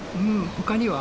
他には？